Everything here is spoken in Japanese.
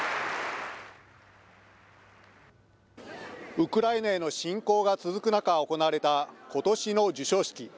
ウクライナへの侵攻が続く中、行われたことしの授賞式。